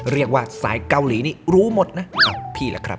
เรียกว่าสายเกาหลีนี่รู้หมดนะพี่ล่ะครับ